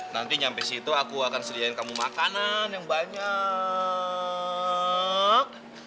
nanti sampai situ aku akan sediain kamu makanan yang banyak